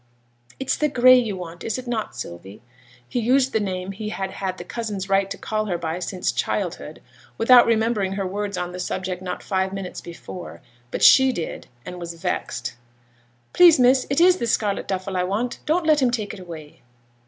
'It's the gray you want, is it not, Sylvie?' He used the name he had had the cousin's right to call her by since her childhood, without remembering her words on the subject not five minutes before; but she did, and was vexed. 'Please, miss, it is the scarlet duffle I want; don't let him take it away.'